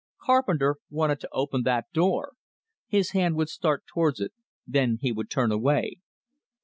Carpenter wanted to open that door. His hand would start towards it; then he would turn away.